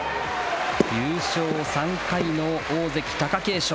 優勝３回の大関・貴景勝。